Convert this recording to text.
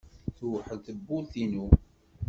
Tewḥel tewwurt-inu.